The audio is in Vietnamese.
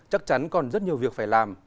chắc chắn còn rất nhiều việc phải làm